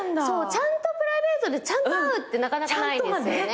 ちゃんとプライベートでちゃんと会うってなかなかないですよね。